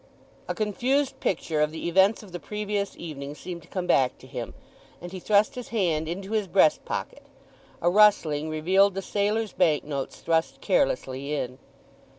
A confused picture of the events of the previous evening seemed to come back to him, and he thrust his hand into his breast pocket. A rustling revealed the sailor's bank notes thrust carelessly in.